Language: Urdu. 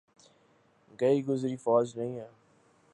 گئی گزری فوج نہیں ہے۔